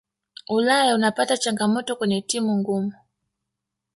ulaya unapata changamoto kwenye timu ngumu